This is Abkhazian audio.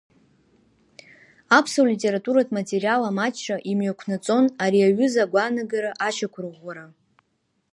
Аԥсуа литературатә аматериал амаҷра имҩақәнаҵон ари аҩыза агәаанагара ашьақәырӷәӷәара.